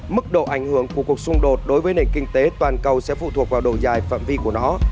mức độ ảnh hưởng của cuộc xung đột đối với nền kinh tế toàn cầu sẽ phụ thuộc vào độ dài phạm vi của nó